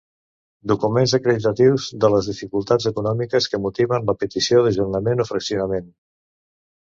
Documents acreditatius de les dificultats econòmiques que motiven la petició d'ajornament o fraccionament.